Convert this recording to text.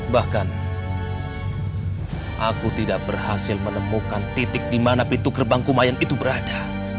bahkan aku tidak berhasil menemukan titik di mana pintu gerbang kumayan itu berada